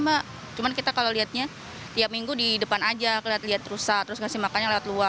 mbak cuman kita kalau lihatnya tiap minggu di depan aja kelihatan lihat rusak terus ngasih makannya lewat luar